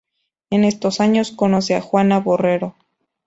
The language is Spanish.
En estos años conoce a Juana Borrero.